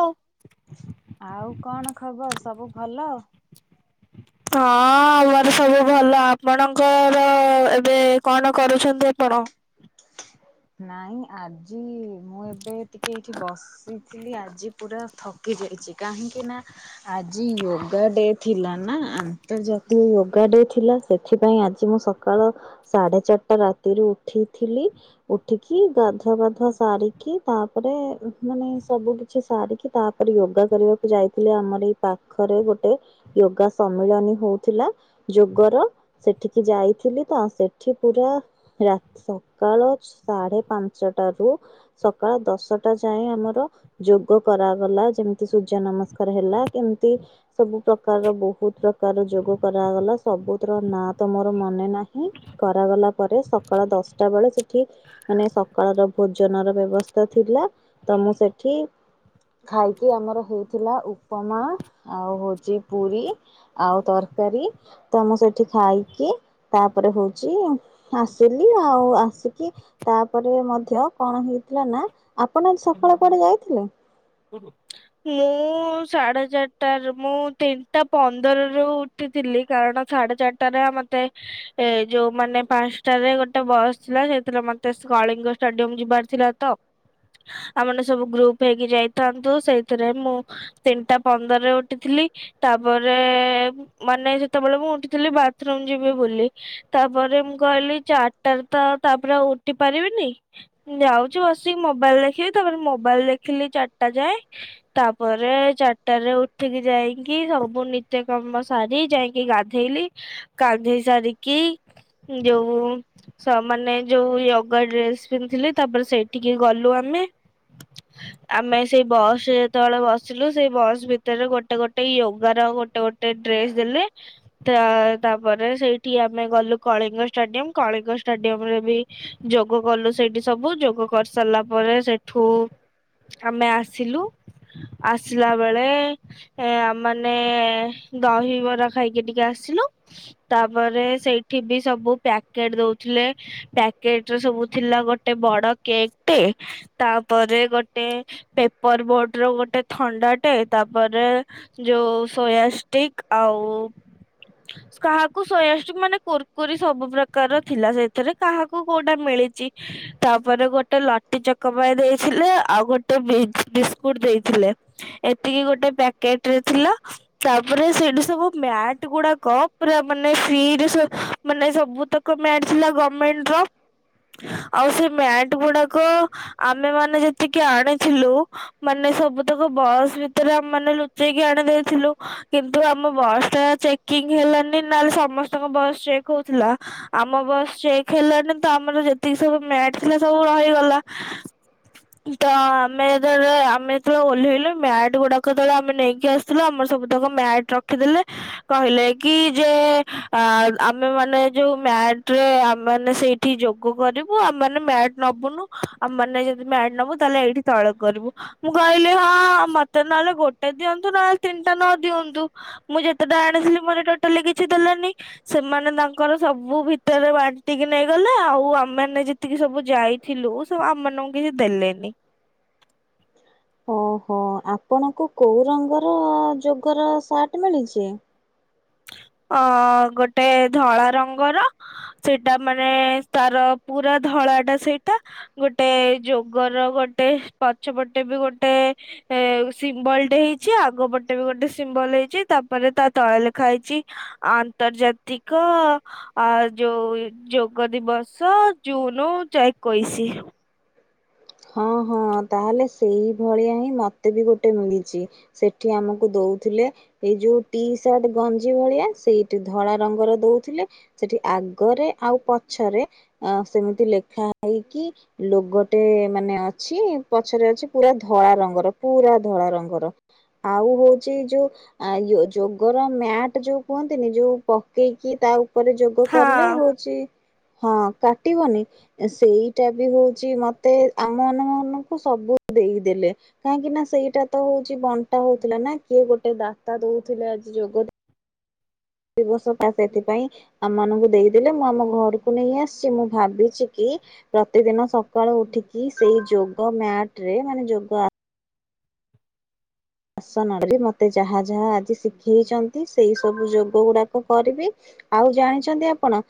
ହଁ। ଆଉ କଣ ଖବର ସବୁ ଭଲ। ହଁ ଆମର ସବୁ ଭଲ ଆପଣଙ୍କର ଏବେ କଣ କରୁଛନ୍ତି ଆପଣ। ନାଇଁ ଆଜି। ମୁଁ ଏବେ ଟିକେ ଏଇଠି ବସିଥିଲି ଆଜି ପୁରା ଥକି ଯାଇଛି କାହିଁକି ନା ଆଜି ୟୋଗା ଡେ ଥିଲା ନା ଆନ୍ତର୍ଜାତୀୟ ୟୋଗା ଡେ। ଥିଲା ସେଥିପାଇଁ ଆଜି ମୁଁ ସକାଳ ସାଢେ ଚାରିଟା ରାତିରୁ ଉଠିଥିଲି। ଉଠିକି ଗାଧୁଆପାଧୁଆ ସାରିକି ତାପରେ ମାନେ ସବୁ କିଛି ସାରିକି ତାପରେ ୟୋଗା କରିବାକୁ ଯାଇଥିଲି ଆମର ଏଇ ପାଖରେ ଗୋଟେ ୟୋଗା ସମ୍ମିଳନୀ ହଉଥିଲା ଯୋଗର ସେଠିକି ଯାଇଥିଲି ତ ସେଠି ପୁରା ରା ସକାଳ। ସାଢେ ପାଞ୍ଚଟ ରୁ ସକାଳ ଦଶଟା ଯାଏ ଆମର ଯୋଗ କରାଗଲା ଯେମିତି ସୂର୍ଯ୍ୟ ନମସ୍କାର ହେଲା କେମିତି ସବୁ ପ୍ରକାରର ବହୁତ ପ୍ରକାର ଯୋଗ କରାଗଲା ସବୁର ନାଁ ତ ମୋର ମନେ ନାହିଁ କରାଗଲା ପରେ ସକାଳ ଦଶଟା ବେଳେ ସେଠି। ମାନେ ସକାଳର ଭୋଜନର ବ୍ୟବସ୍ଥା ଥିଲା ତ ମୁଁ ସେଠି ଖାଇକି ଆମର ହେଇଥିଲା ଉପମା ଆଉ ହଉଛି ପୁରୀ ଆଉ ତରକାରୀ ତ ମୁଁ ସେଠି ଖାଇକି ତାପରେ ହଉଛି ଆସିଲି ଆଉ ଆସିକି। ତାପରେ ମଧ୍ୟ କଣ ହେଇଥିଲା ନା। ଆପଣ ଆଜି ସକାଳ କୁଆଡେ ଯାଇଥିଲେ। ମୁଁ ସାଢେ ଚାରିଟା ର ମୁଁ ତିନିଟା ପନ୍ଦର ରୁ ଉଠିଥିଲି କାରଣ ସାଢେ ଚାରିଟାରେ ମତେ ଏ ଯୋଉ ମାନେ ପାଞ୍ଚଟାରେ ଗୋଟେ ବସ୍ ଥିଲା ସେଇଥିଥରେ ମତେ କଳିଙ୍ଗ ଷ୍ଟାଡିୟମ ଯିବାର ଥିଲା ତ ଆଉମାନେ ସବୁ ଗ୍ରୁପ ହେଇକି ଯାଇଥାନ୍ତୁ ସେ। ସେଥିରେ ମୁଁ ତିନିଟା ପନ୍ଦରରେ ଉଠିଥିଲି ତାପରେ ମାନେ ସେତେବେଳେ ମୁଁ ଉଠିଥିଲି ବାଥରୁମ ଯିବି ବୋଲି ତାପରେ ମୁଁ କହିଲି ଚାରିଟାରେ ତ ତାପରେଉ ଉଠି ପାରିବିନି ମୁ ଯାଉଛି ବସିକି ମୋବାଇଲ ଦେଖିବି ତାପରେ ମୋବାଇଲ ଦେଖିଲି ଚାରିଟା ଯାଏଁ। ତାପରେ ଚାରିଟା ରେ ଉଠିକି ଯାଇକି ସବୁ ନିତ୍ୟକାମ ସାରି ଯାଇକି ଗାଧେଇଲି ଗାଧେଇ ସାରିକି ଯୋଉ ସ ମାନେଯୋଉ ୟୋଗା ଡ୍ରେସ ପିନ୍ଧିଲି ତାପରେ ସେଇଠିକି ଗଲୁ ଆମେ ଆମେ ସେଇ ବସ୍। ରେ ଯେତେବେଳେ ବସିଲୁ ସେଇ ବସ ଭିତରେ ଗୋଟେ ଗୋଟେ ୟୋଗା ର ଗୋଟେ ଗୋଟେ ଡ୍ରେସ ଦେଲେ ତା ତାପରେ ସେଇଠି ଆମେ ଗଲୁ କଳିଙ୍ଗ ଷ୍ଟାଡିୟମ କଳିଙ୍ଗ ଷ୍ଟାଡିୟମ ରେ ବି ଯୋଗ କଲୁ ସେଇଠି ସବୁ ଯୋଗ କରିସାରିଲା ପରେ ସେଇଠୁ ଆମେ ଆସିଲୁ। ଆସିଲା ବେଳେ ଆମମାନେ ଦହିବରା ଖାଇକି ଟିକେ ଆସିଲୁ ତାପରେ ସେଇଠି ବି ସବୁ ପ୍ୟାକେଟ ଦଉଥିଲେ ପ୍ୟାକେଟରେ ସବୁ ଥିଲା ଗୋଟେ ବଡ କେକ୍ ଟେ ତାପରେ ଗୋଟେ ପେପର ବୋଟ। ର ଗୋଟେ ଥଣ୍ଡାଟେ ତାପରେ ଯୋଉ ସୋୟାଷ୍ଟିକ ଆଉ କାହାକୁ ସୋୟାଷ୍ଟିକ ମାନେ କୁୁରକୁରି ସବୁ ପ୍ରକାରର ଥିଲା ସେଥିରେ କାହାକୁ କୋଉଟା ମିଳିଛି ତାପରେ ଗୋଟେ ଲଟି ଚାକୋପାଏ ଦେଇଥିଲେ ଆଉ ଗୋଟେ ବିସ। କୁଟ ଦେଇ ଥିଲେ ଏତିକି ଗୋଟେ ପ୍ୟାକେଟ ରେ ଥିଲା ତାପରେ ସେଠି ସବୁ ମ୍ୟାଟ ଗୁଡାକ ପୁରା ମାନେ ଫ୍ରି ରେ ସେ ମାନେ ସବୁତକ ମ୍ୟାଟ ଥିଲା ଗମେଣ୍ଟ ର ଆଉ ସେ ମ୍ୟାଟ ଗୁଡାକ ଆମେ ମାନ ଯେତିକି ଆଣିଥିଲୁ। ମାନେ ସବୁ ତକ ବସ୍ ଭିତରେ ଆମେ ମାନେ ଲୁଚେଇକି ଆଣି ଦେଇେଇଥିଲୁ କିନ୍ତୁ ଆମ ବସ୍ ଟା ଚେକିଂ ହେଲାନି ନହେଲେ ସମସ୍ତଙ୍କ ବସ୍ ଚେକ୍ ହଉଥିଲା ଆମ ବସ୍ ଚେକ୍ ହେଲାନି ତ ଆମର ଯେତିକି ସବୁ ମ୍ୟାଟ ଥିଲା ସବୁ ରହିଗଲା ତ ଆମେ ଯେ ଆମେ ଯେତେବେଳେ ଓଲେହିଲେ ମ୍ୟାଟ ଗୁଡାକ ଯେତବେଳେ ଆମେ ନେଇକି ଆସିଥିଲୁ ଆମର ସବୁ ତାକ ମ୍ୟାଟ ରଖିଦେଲେ କହିଲେ କି ଯେ ଆମେ ମାନ ଯୋଉ ମ୍ୟାଟ ରେ ଆମେ ମାନ ସେଇଠି ଯୋଗ କରିବୁ ଆମେ ମାନେ ମ୍ୟାଟ ନବୁନୁ ଆମେ ମାନ ଯଦି ମ୍ୟାଟ ନବୁ ତାହେଲେ ଏଇଠି ତଳେ କରିବୁ। ମୁଁ କହିଲି ହଁ ମତେ ନହେଲେ ଗୋଟେ ଦିଅନ୍ତୁ ନହେଲେ ତିନିଟା ନ ଦିଅନ୍ତୁ ମୁଁ ଯେତେଟା ଆଣିଥିଲି ମୋର ଟୋଟାଲି କିଛି ଦେଲୋନି ସେମାନେ ତାଙ୍କର ସବୁ ଭିତରେ ବାଣ୍ଟିକି ନେଇଗଲେ ଆଉ ଆମେମାନେ ଯେତିକି ସବୁ ଯାଇଥିଲୁ ସବୁ ଆମମାନଙ୍କୁ କିଛି ଦେଲେନି। ଓହୋ ଆପଣଙ୍କୁ କୋଉ ରଙ୍ଗର ଯୋଗର ସାର୍ଟ ମିଳିଛି। ଅ ଗୋଟେ ଧଳା ରଙ୍ଗର ସେଇଟା ମାନେ ତାର ପୁରା ଧଳା ଟା ସେଇଟା ଗୋଟେ ଯୋଗର ଗୋଟେ ପଛ ପଟେ ବି ଗୋଟେ ସିମ୍ବଲଟେ ହେଇଛି ଆଗ ପଟେ ବି ଗୋଟେ ସିମ୍ବଲ ହେଇଛି ତାପରେ ତା ତଳେ ଲେଖ ଖା ହେଇଛି ଆନ୍ତର୍ଜାତିକ ଆ ଯୋଉ ଯୋଗ ଦିବସ ଜୁନ ଏକୋଇଶି। ହଁ ହଁ ତାହେଲେ ସେଇ ଭଳିଆ ହିଁ ମତେ ବି ଗୋଟେ ମିଳିଛି ସେଠି ଆମକୁ ଦଉଥିଲେ ଏଇ ଯୋଉ ଟି ସାର୍ଟ ଗଞ୍ଜି ଭଳିଆ ସେଇଠି ଧଳା ରଙ୍ଗର ଦଉଥିଲେ ସେଠି ଆଗରେ ଆଉ ପଛରେ ସେମିତି ଲେଖା ହେଇକି ଲୋଗୋ ଟେ। ମାନେ ଅଛି ପଛରେ ଅଛି ପୁରା ଧଳା ରଙ୍ଗର ପୁରା ଧଳା ରଙ୍ଗର ଆଉ ହଉଛି ଯୋଉ ଯୋଗର ମ୍ୟାଟ ଯୋଉ କୁହନ୍ତିନି ଯୋଉ ପକେଇକି ତା ଉପ ପରେ ଯୋଗ କଲେ ହଁ। ହଉଛି। ହଁ କାଟିବନି ସେଇଟା ବି ହଉଛି ମତେ। ଆମ ମାମାନଙ୍କୁ ସବୁ ଦେଇଦେଲେ କାହିଁକି ନା ସେଇଟା ତ ହଉଛି ବଣ୍ଟା ହଉଥିଲା ନା କିଏ ଗୋଟେ ଦାତା ଦଉଥିଲେ ଆଜି ଯୋଗ। ଦିବସ ସେଥିପାଇଁ ଆମମାନଙ୍କୁ ଦେଇଦେଲେ ମୁଁ ଆମ ଘରକୁ ନେଇ ଆସିଛି ମୁଁ ଭାବିଛି କି ପ୍ରତିଦିନ ସକାଳୁ ଉଠିକି ସେଇ ଯୋଗ ମ୍ୟାଟ ରେ ମାନେ ଯୋଗ। ଆସନ ମତେ ଯାହା ଯାହା ଆଜି ଶିଖେଇଛନ୍ତି ସେଇ ସବୁ ଯୋଗ ଗୁଡାକ କରିବି ଆଉ ଜାଣିଛନ୍ତି ଆପଣ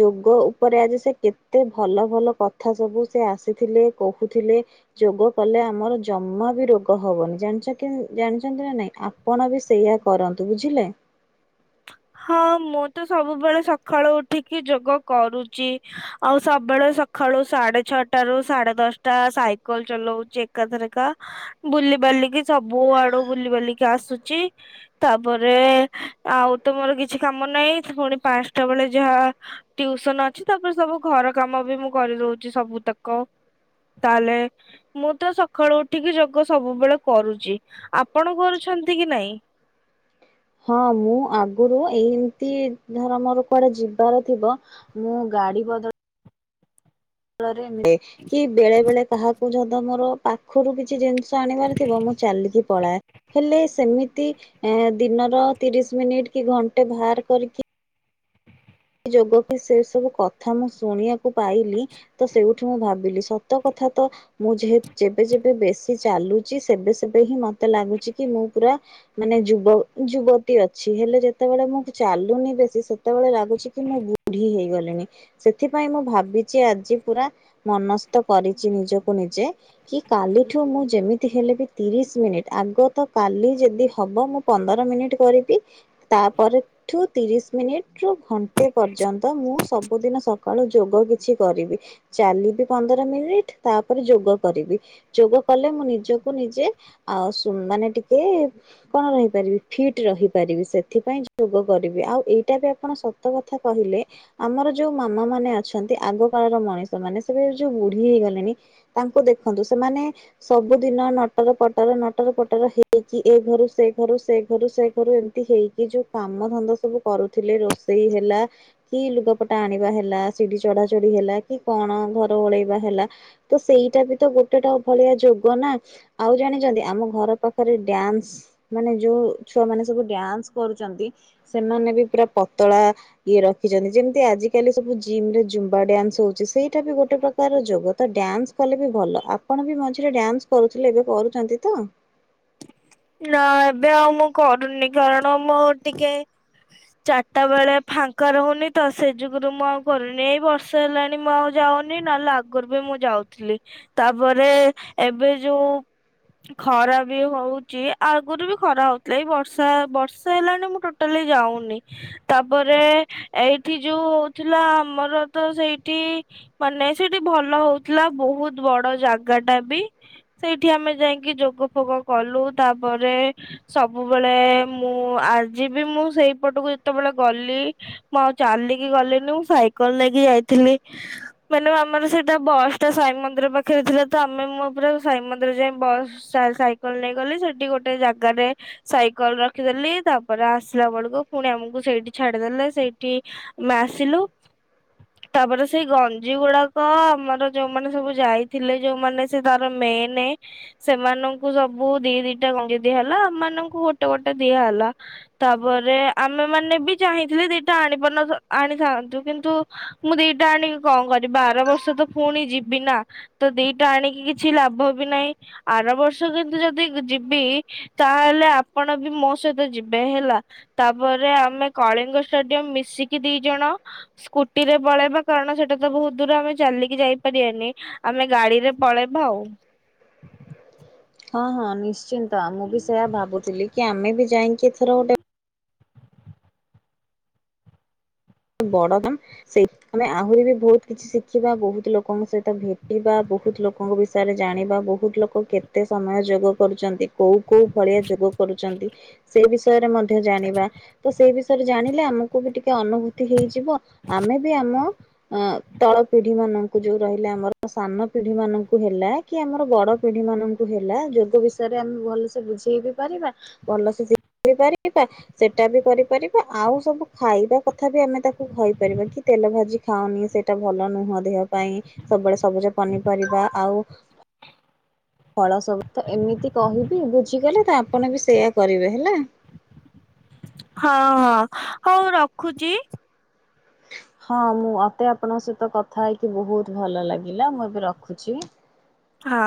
ଯୋଗ ଉପରେ ଆଜି ସେ କେତେ ଭଲ ଭଲ କଥା ସବୁ ସେ ଆସିଥିଲେ କହୁଥିଲେ, ଯୋଗ କଲେ ଆମର ଜମା ବି ରୋଗ ହବନି ଜାଣିଛ ଜାଣିଛନ୍ତି ନା ନାଇଁ ଆପଣ ବି ସେଇୟା କରନ୍ତୁ ବୁଝିଲେ। ହଁ ମୁଁ ତ ସବୁବେଳେ ସକାଳୁ ଉଠିକି ଯୋଗ କରୁଛି ଆଉ ସବୁବେଳେ ସକାଳୁ ସାଢେ ଛଅଟା ରୁ ସାଢେ ଦଶଟା ସାଇକେଲ ଚଲଉଛି ଏକାଥରିକା ବୁଲିିବାଲିକି ସବୁ ଆଡୁ ବୁଲି ବାଲିକି ଆସୁଛି ତାପରେ ଆଉ। ତ ମୋର କିଛି କାମ ନାହିଁ ପୁଣି ପାଞ୍ଚଟା ବେଳେ ଯାହା ଟିଉସନ ଅଛି ତାପରେ ସବୁ ଘର କାମ ବି ମୁଁ କରିଦଉଛି ସବୁ ତକ ତାହଲେ ମୁଁ ତ ସକାଳୁ ଉଠିକି ଯୋଗ ସବୁବେଳେ କରୁଛି ଆପଣ କରୁଛନ୍ତି କି ନାଇଁ? ହଁ ମୁଁ ଆଗରୁ ଏମତି ଧର ମୋର କୁଆଡେ ଯିବାର ଥିବ ମୁଁ ଗାଡି ବଦଳ [inaudible] ମିଳେ କି ବେଳେ ବେଳେ କାହା ଯଦ୍ଦି ଆମର ପାଖରୁ କିଛି ଜିନିଷ ଆଣିବାର ଥିବ ମୁଁ ଚାଲିକି ପଳା ହେଲେ ସେମିତି ଦିନର ତିରିଶ ମିନିଟ କି ଘଣ୍ଟେ ବାହାର କରିକି ସେ ଯୋଗ କି ସେ ସବୁ କଥା ମୁଁ ଶୁଣିବାକୁ ପାଇଲି ତ ସେଇଠି ମୁଁ ଭାବିଲି ସତ କଥା ତ ମୁଁ ଯେ ଯେବେ ଯେବେ ବେଶି ଚାଲୁଛି ସେବେ ସେବେ ହିଁ ମତ୍ ମତେ ଲାଗୁଛି କି ମୁଁ ପୁରା ମାନେ ଯୁବ ଯୁବତୀ ଅଛି ହେଲେ ଯେତେବେଳେ ମୁଁ ଚାଲୁନି ବେଶୀ ସେତେବେଳେ ଲାଗୁଛି କି ମୁଁ ବୁଢୀ ହେଇଗଲିଣି ସେଥିପାଇଁ ମୁଁ ଭାବିଛି ଆଜି ପୁରା ମନସ୍ଥ କରିଛି ନିଜକୁ ନିଜେ କି କାଲିଠୁ ମୁଁ ଯେମିତି ହେଲେ ବି ତିରିଶ ମିନିଟ ଆଗ ତ କାଲି ଯଦି ହବ ମୁଁ ପନ୍ଦର ମିନିଟ କରିବି ତାପରେ ଠୁ ତିରିଶ ମିନିଟ ରୁ ଘ ଗୋଟେ ପର୍ଯ୍ୟନ୍ତ ମୁଁ ସବୁଦିନ ସକାଳୁ ଯୋଗ କିଛି କରିବି ଚାଲିବି ପନ୍ଦର ମିନିଟ ତାପରେ ଯୋଗ କରିବି। ଯୋଗ କଲେ ମୁଁ ନିଜକୁ ନିଜେ ଆ ମାନେ ଟିକେ କଣ ରହିପାରିବି ଫିଟ ରହିପାରିବି। ସେଥିପାଇଁ ଯୋଗ କରିବି ଆଉ ଏଇଟା ବି ଆପଣ କଥା କହିଲେ ଆମର ଯୋଉ ମାମା ମାନେ ଅଛନ୍ତି ଆଗ କାଳର ମଣିଷ ମାନେ ସେ ଯୋଉ ବୁଢୀ ହେଇଗଲେଣି ତାଙ୍କୁ ଦେଖନ୍ତୁ ସେମାନେ ସବୁଦିନ ନଟର ପଟର ନଟର ପଟର ହେଇକି ଏ ଘରୁ ସେ ଘରୁ ସେ ଘରୁ ସେ ଘରୁ ଏମିତି ହେଇକି ଯୋଉ କାମ ଧନ୍ଦା ସବୁ କରୁଥିଲେ ରୋଷେ ସେଇ ହେଲା କି ଲୁଗାପଟା ଆଣିବା ହେଲା, ସିଡିି ଚଢାଚଢି ହେଲା, କି କଣ ଘର ଓଳେଇବା ହେଲା ତ ସେଇଟା ବି ତ ଗୋଟେଟା ଭଳିଆ ଯୁଗ ନା ଆଉ ଜାଣିଛନ୍ତି ଆମ ଘର ପାଖରେ ଡ୍ୟାନ୍ସ ମାନେ ଯୋଉ ଛୁଆ ମାନେ ସବୁ ଡ୍ୟାନ୍ସ କରୁଛନ୍ତି ସେମାନେ ବି ପୁର ପତଳା ଇଏ ରଖିଛନ୍ତି ଯେମିତି ଆଜିକାଲି ସବୁ ଜିମ ରେ ଜୁମ୍ବା ଡ୍ୟାନ୍ସ ହଉଛି ସେଇଟା ବି ଗୋଟେ ପ୍ରକାରର ଯୋଗ ତ ଡ୍ୟାନ୍ସ କଲେ ବି ଭଲ ଆପଣ ବି ମଝିରେ ଡ୍ୟାନ୍ସ କରୁଥିଲେ ଏବେ କରୁଛନ୍ତି ତ। ନା ଏବେ ଆଉ ମୁଁ କରୁନି କାରଣ ମୁଁ ଟିକେ ଚାରିଟା ବେଳେ ଫାଙ୍କା ରହୁନି ତ ସେ ଯୁଗରୁ ମୁଁ ଆଉ କରୁନି ଏଇ ବର୍ଷ ହେଲାଣି ମୁଁ ଆଉ ଯାଉନି ନହେଲେ ଆଗରୁ ବି ମୁଁ ଯାଉଥିଲି ତାପରେ ଏବେ ଯୋଉ ଖରା ବି ହଉ ଆଗରୁ ବି ଖରା ହଉଥିଲା ଏଇ ବର୍ଷା ବର୍ଷେ ହେଲାଣି ମୁଁ ଟୋଟାଲି ଯାଉନି ତାପରେ ଏଇଠି ଯୋଉ ହଉଥିଲା ଆମର ତ ସେଇଠି ମାନେ ସେଇଠି ଭଲ ହଉଥିଲା ବହୁତ ବଡ ଜାଗା ଟା ବି ସେଇଠି ଆମେ ଯାଇକି ଯୋଗ ଫୋଗ କଲୁ। ତାପରେ ସବୁବେଳେ ମୁଁ ଆଜି ବି ମୁଁ ସେଇପଟକୁ ଯେତେବେଳେ ଗଲି ମୁଁ ଆଉ ଚାଲିକି ଗଲିନି ମୁଁ ସାଇକେଲ ନେଇକି ଯାଇଥିଲି ମାନେ ଆମର ସେଇଟା ବସ୍ ଟା ସାଇ ମନ୍ଦିର ପାଖରେ ଥିଲା ତ ଆମେ ମୋ ପୁରା ସାଇ ମନ୍ଦିର ଯାଇ ବସ୍ ସାଇକେଲ ନେଇ ଗଲି ସେ ଠ ଗୋଟେ ଜାଗାରେ ସାଇକେଲ ରଖିଦେଲି ତାପରେ ଆସିଲା ବେଳକୁ ପୁଣି ଆମକୁ ସେଇଠି ଛାଡିଦେଲେ ସେଇଠି ଆମେ ଆସିଲୁ ତାପରେ ସେଇ ଗଞ୍ଜି ଗୁଡାକ ଆମର ଯୋଉମାନେ ସବୁ ଯାଇଥିଲେ ଯୋଉମାନେ ସେ ତାର ମେନେ ସେମାନଙ୍କୁ ସବୁ ଦେଇ ଦେ କଣ ଦିଆ ହେଲା ଆମମାନଙ୍କୁ ଗୋଟେ ଗୋଟେ ଦିଆ ହେଲା ତାପରେ ଆମେ ମାନେ ବି ଚାହିଁଥିଲେ ଦିଟା ଆଣିପାରୁନ ଆଣିଥାନ୍ତୁ କିନ୍ତୁ ମୁଁ ଦିଟା ଆଣିକି କଣ କର ବାର ବର୍ଷ ତ ପୁଣି ଯିବି ନା ତ ଦିଟା ଆଣିକି କିଛି ଲାଭ ବି ନାହିଁ ଆର ବର୍ଷ କିନ୍ତୁ ଯଦି ଯି ବି ତାହେଲେ ଆପଣ ବି ମୋ ସହିତ ଯିବେ ହେଲା ତାପରେ ଆମେ କଳିଙ୍ଗ ଷ୍ଟାଡିୟମ ମିଶିକି ଦି ଜଣ ସ୍କୁଟି ରେ ପଳେଇବା କାରଣ ସେଟା ତ ବହୁତ ଦୂର ଆମେ ଚାଲିକି ଯାଇପାରିବାନି ଆମେ ଗାଡିରେ ପଳେଇବା ଆଉ। ହଁ ହଁ ନିଶ୍ଚିନ୍ତ। ତ ମୁଁ ବି ସେୟା ଭାବୁଥିଲି। କି ଆମେ ବି ଯାଇକି ଏଥର ଗୋଟେ ବଡ ଦାମ ସେଇ ଆମେ ଆହୁରି ବି ବହୁତ କିଛି ଶିଖିବା ବହୁତ ଲୋକଙ୍କ ସହିତ ଭେଟିବା ବହୁତ ଲୋକଙ୍କ ବିଷୟରେ ଜାଣିବା ବହୁତ ଲୋକ କେତେ ସମୟ ଯୋଗ କରୁଛନ୍ତି। କୋଉ କୋଉ ଭଳିଆ ଯୋଗ କରୁଛନ୍ତି। ସେ ବିଷୟରେ ମଧ୍ୟ ଜାଣିବା ତ ସେ ବିଷୟ ଜାଣିଲେ ଆମକୁ ବି ଟିକେ ଅନୁଭୂତି ହେଇଯିବ ଆମେ ବି ଆମ ଅ ତଳ ପିଢି ମାନଙ୍କୁ ଯୋଉ ରହିଲା ଆମର ସାନ ପିଢି ମାନଙ୍କୁ ହେଲା କି ଆମର ବଡ ପିଢି ମାନଙ୍କୁ ହେଲା ଯୋଗ ବିଷୟରେ ଆମେ ଭଲସେ ବୁଝେଇ ବି ପାରିବା ଭଲସେ ଶିଖେଇ ପାରିବା ସେଟା ବି କରିପାରିବା ଆଉ ସବୁ ଖାଇବା କଥା ତଥାପି ଆମେ ତାକୁ କହିପାରିବା କି ତେଲ ଭାଜି ଖାଉନି ସେଇଟା ଭଲ ନୁହଁ ଦେହ ପାଇଁ ସବୁବେଳେ ସବୁଜ ପନିପରିବା ଆଉ ଫଳ ସବୁ ତ ଏମିତି କହିବି ବୁଝିଗଲେ ତ ଆପଣ ବି ସେୟା କରିବେ ହେଲା। ହଁ ହଁ ହଉ ରଖୁଛି। ହଁ ମୁଁ ମତେ ଆପଣଙ୍କ ସହିତ କଥା ହେଇକି ବହୁତ ଭଲ ଲାଗିଲା ମୁଁ ଏବେ ରଖୁଛି। ହଁ।